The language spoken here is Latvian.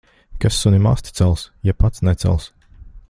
Kas sunim asti cels, ja pats necels.